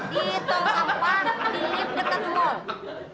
di tong sampah di lift deket mall